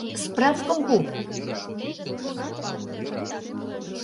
Справкым пу!